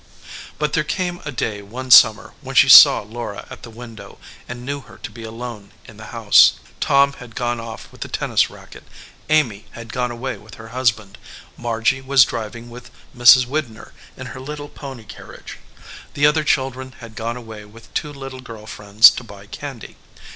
But there came a day one summer when she saw Laura at the window and knew her to be alone in the house. Tom had gone off with a tennis racket. Amy had gone away with her husband. Margy was driving with Mrs. Widner in her little pony carriage. The other children had gone away with two little girl friends to buy candy.